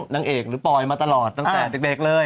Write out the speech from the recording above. นางเอกหรือปอยมาตลอดตั้งแต่เด็กเลย